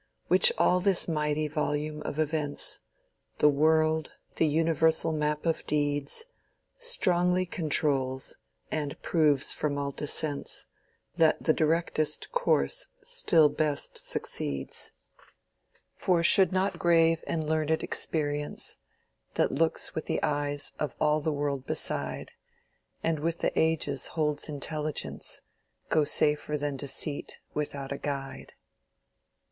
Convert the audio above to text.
Which all this mighty volume of events The world, the universal map of deeds, Strongly controls, and proves from all descents, That the directest course still best succeeds. For should not grave and learn'd Experience That looks with the eyes of all the world beside, And with all ages holds intelligence, Go safer than Deceit without a guide!